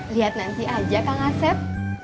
lihat nanti aja kank aset